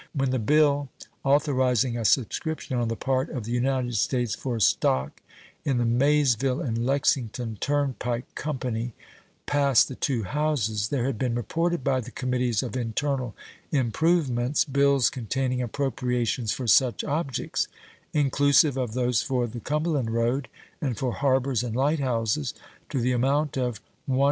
When the bill authorizing a subscription on the part of the United States for stock in the Maysville and Lexington Turn Pike Company passed the two houses, there had been reported by the Committees of Internal Improvements bills containing appropriations for such objects, inclusive of those for the Cumberland road and for harbors and light houses, to the amount of $106,000,000.